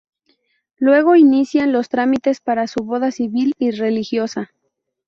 Luego inician los trámites para su boda civil y religiosa.